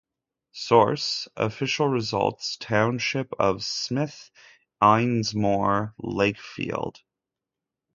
"Source: Official results, Township of Smith-Ennismore-Lakefield".